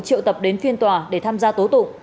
triệu tập đến phiên tòa để tham gia tố tụng